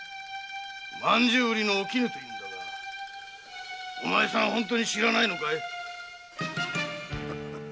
マンジュウ売りのおきぬというんだがお前さん本当に知らないのかい？